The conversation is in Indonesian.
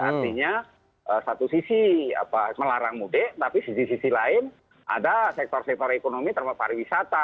artinya satu sisi melarang mudik tapi di sisi lain ada sektor sektor ekonomi termasuk pariwisata